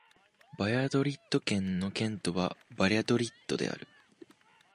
バリャドリッド県の県都はバリャドリッドである